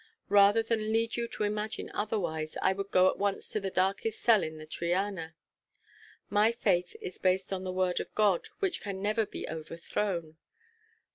Rather than lead you to imagine otherwise, I would go at once to the darkest cell in the Triana. My faith is based on the Word of God, which can never be overthrown."